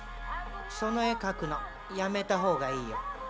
その絵描くのやめた方がいいよ。